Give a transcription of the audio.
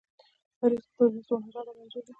تاریخ د خپل ولس د هنر او ادب انځور دی.